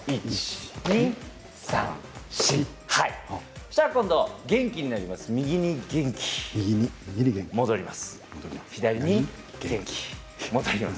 そうしたら元気になります。